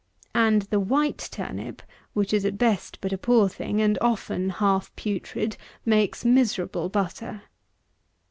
And the white turnip, which is at best but a poor thing, and often half putrid, makes miserable butter.